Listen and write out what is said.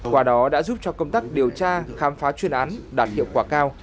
qua đó đã giúp cho công tác điều tra khám phá chuyên án đạt hiệu quả cao